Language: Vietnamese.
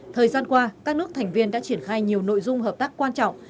thời gian qua các nước thành viên đã triển khai nhiều nội dung hợp tác quan trọng